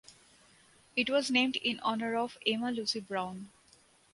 It was named in honor of Emma Lucy Braun.